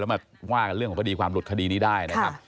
แล้วมาว่ากันเรื่องของประดิษฐ์ความหลุดคดีนี้ได้